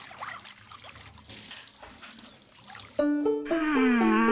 はあ。